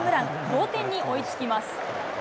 同点に追いつきます。